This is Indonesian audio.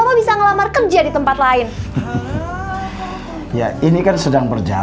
masa direktur jadi tukang ojek ongkak